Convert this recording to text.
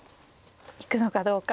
行くのかどうか。